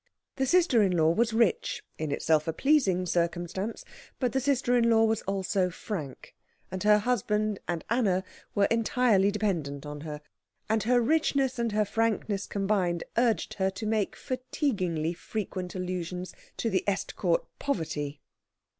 The sister in law was rich in itself a pleasing circumstance; but the sister in law was also frank, and her husband and Anna were entirely dependent on her, and her richness and her frankness combined urged her to make fatiguingly frequent allusions to the Estcourt poverty.